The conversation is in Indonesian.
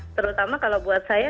terutama kalau buat saya